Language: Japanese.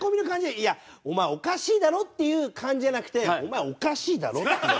「いやお前おかしいだろ？」っていう感じじゃなくて「お前おかしいだろ！」っていう。